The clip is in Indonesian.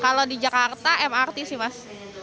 kalau di jakarta mrt sih mas